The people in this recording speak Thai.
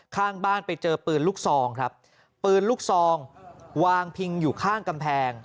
ข้างบ้านไปเจอปืนลูกซองครับปืนลูกซองวางพิงอยู่ข้างกำแพง